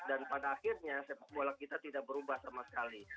dan pada akhirnya sepak bola kita tidak berubah sama sekali